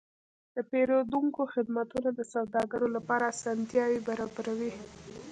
د پیرودونکو خدمتونه د سوداګرو لپاره اسانتیاوې برابروي.